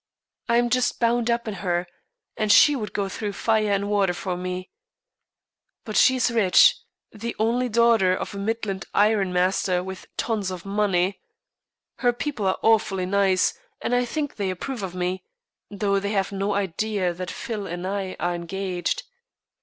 I am just bound up in her, and she would go through fire and water for me. But she is rich, the only daughter of a Midland iron master with tons of money. Her people are awfully nice, and I think they approve of me, though they have no idea that Phil and I are engaged."